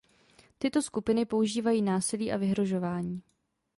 Tyto skupiny používají násilí a vyhrožování.